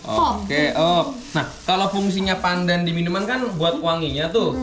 oke nah kalau fungsinya pandan di minuman kan buat wanginya tuh